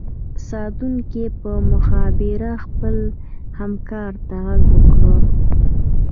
ساتونکي په مخابره خپل همکار ته غږ وکړو